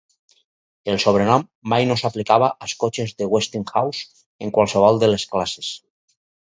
El sobrenom mai no s'aplicava als cotxes de Westinghouse en qualsevol de les classes.